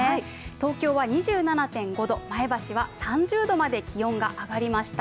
東京は２７．５度前橋は３０度まで気温が上がりました。